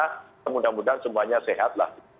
semoga semuanya sehat